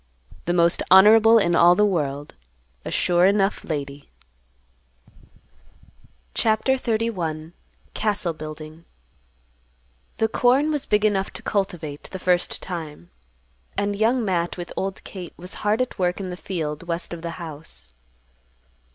"The most honorable in all the world—a sure enough lady." CHAPTER XXXI. CASTLE BUILDING. The corn was big enough to cultivate the first time, and Young Matt with Old Kate was hard at work in the field west of the house.